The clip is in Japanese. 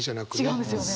違うんですよね。